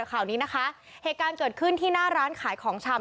ข่าวนี้นะคะเหตุการณ์เกิดขึ้นที่หน้าร้านขายของชำ